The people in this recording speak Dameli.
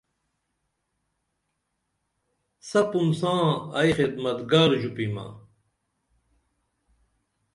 سپُن ساں ائی خدمتگار ژوپیمہ